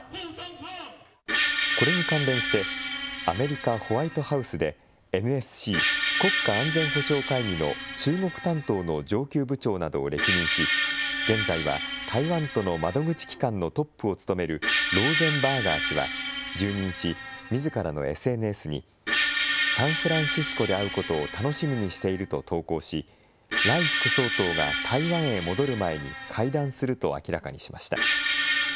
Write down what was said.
これに関連して、アメリカ・ホワイトハウスで、ＮＳＣ・国家安全保障会議の中国担当の上級部長などを歴任し、現在は台湾との窓口機関のトップを務めるローゼンバーガー氏は、１２日、みずからのＳＮＳに、サンフランシスコで会うことを楽しみにしていると投稿し、頼副総統が台湾へ戻る前に会談すると明らかにしました。